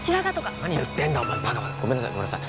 何言ってんだお前バカごめんなさいごめんなさい